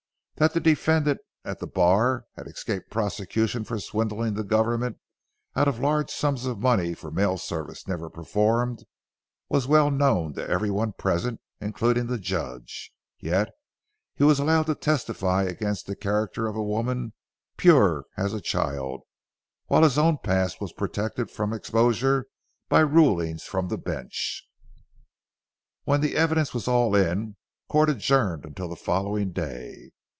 That the defendant at the bar had escaped prosecution for swindling the government out of large sums of money for a mail service never performed was well known to every one present, including the judge, yet he was allowed to testify against the character of a woman pure as a child, while his own past was protected from exposure by rulings from the bench. When the evidence was all in, court adjourned until the following day.